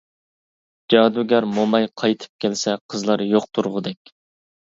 جادۇگەر موماي قايتىپ كەلسە، قىزلار يوق تۇرغۇدەك.